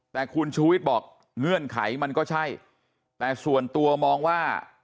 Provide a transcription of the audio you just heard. แต่คุณชูวิทย์บอกเงื่อนไขมันก็ใช่แต่ส่วนตัวมองว่า